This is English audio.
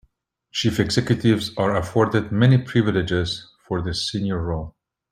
Chief executives are afforded many privileges for their senior role.